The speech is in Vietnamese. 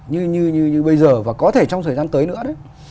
như bây giờ và có thể trong thời gian tới nữa đấy